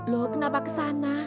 loh kenapa kesana